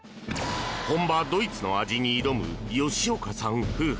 本場ドイツの味に挑む吉岡さん夫婦。